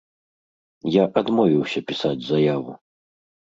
Я адмовіўся пісаць заяву.